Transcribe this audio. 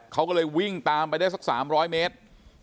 เขาก็เลยวิ่งตามไปได้สัก๓๐๐เมตร